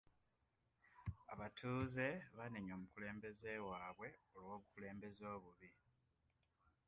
Abatuuze baanenya omukulembeze waabwe olw'obukulembeze obubi.